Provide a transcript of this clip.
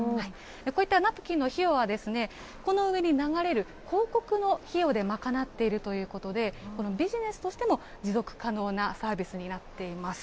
こういったナプキンの費用は、この上に流れる広告の費用で賄っているということで、ビジネスとしても持続可能なサービスになっています。